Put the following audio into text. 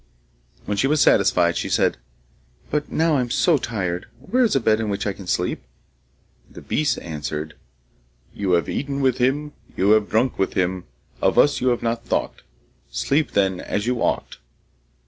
When she was satisfied, she said, 'But now I am so tired, where is a bed in which I can sleep? ' The beasts answered: You have eaten with him, You have drunk with him, Of us you have not thought, Sleep then as you ought!